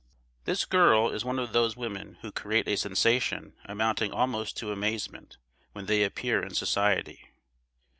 This girl is one of those women who create a sensation amounting almost to amazement when they appear in society.